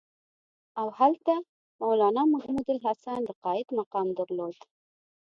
او هلته مولنا محمودالحسن د قاید مقام درلود.